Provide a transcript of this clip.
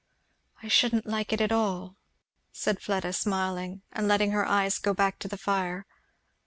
"I shouldn't like it at all," said Fleda smiling, and letting her eyes go back to the fire.